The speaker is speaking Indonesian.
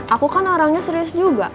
aku kan orangnya serius juga